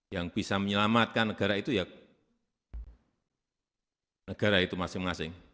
yang bisa menyelamatkan negara itu ya negara itu masing masing